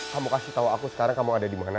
kamu kasih tau aku sekarang kamu ada dimana